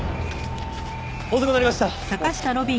遅くなりました！